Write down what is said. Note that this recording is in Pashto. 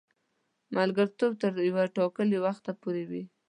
ملګرتوب تر یوه ټاکلي وخته پوري وي.